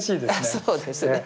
そうですね。